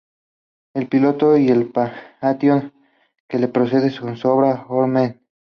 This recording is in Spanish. Este pilono y el patio que lo procede son obra de Horemheb.